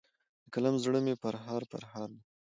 د قلم زړه مي پرهار پرهار دی